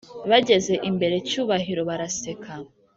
bageze imbere cyubahiro baraseka